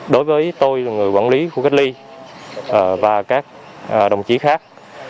đối với tôi là người quản lý khu cách ly và các đồng chí khác